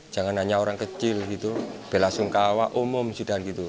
jangan hanya orang kecil gitu bela sungkawa umum sudah gitu